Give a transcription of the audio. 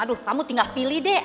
aduh kamu tinggal pilih deh